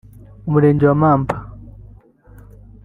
Umurenge wa Mamba